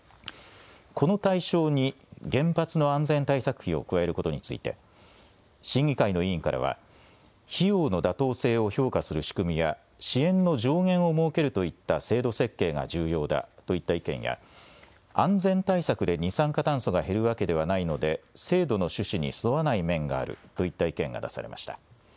この対象に原発の安全対策費を加えることについて審議会の委員からは費用の妥当性を評価する仕組みや支援の上限を設けるといった制度設計が重要だといった意見や安全対策で二酸化炭素が減るわけではないので制度の趣旨に沿わない面があるといった意見が出されました。